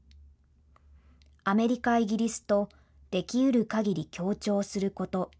アメリカ、イギリスと出来得る限り協調すること。